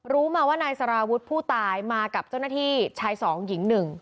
รู้มาว่านายสารวุฒิผู้ตายมากับเจ้าหน้าที่ชาย๒หญิง๑